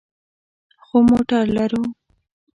خو موټر لرو